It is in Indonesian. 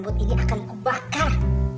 rambut ini akan kubakar